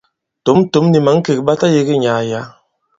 Tǒm-tǒm nì̀ mǎŋkèk ɓa tayēge nyàà yǎ.